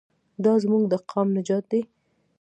دا زموږ د قام نجات دی.